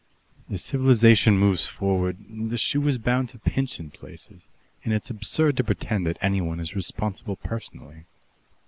As civilization moves forward, the shoe is bound to pinch in places, and it's absurd to pretend that anyone is responsible personally.